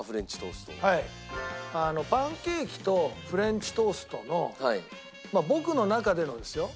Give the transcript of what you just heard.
パンケーキとフレンチトーストの僕の中でのですよ